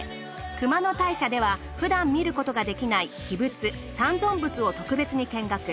熊野大社では普段見ることができない秘仏「三尊仏」を特別に見学。